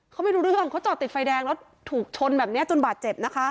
เขาไม่รู้เรื่องเขาจอดติดไฟแดงแล้วถูกชนแบบนี้จนบาดเจ็บนะคะ